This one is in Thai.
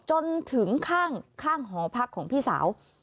จนถึงข้างหอพักของพี่สาว